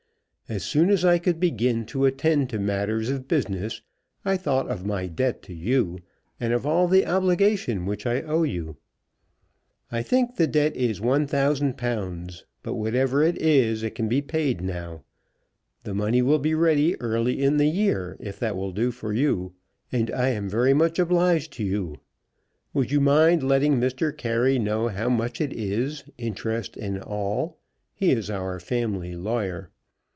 As soon as I could begin to attend to matters of business, I thought of my debt to you, and of all the obligation I owe you. I think the debt is £1,000; but whatever it is it can be paid now. The money will be ready early in the year, if that will do for you, and I am very much obliged to you. Would you mind letting Mr. Carey know how much it is, interest and all. He is our family lawyer.